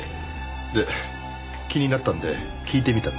で気になったんで聞いてみたんです。